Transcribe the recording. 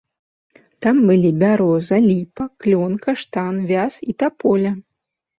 Там былі бяроза, ліпа, клён, каштан, вяз і таполя.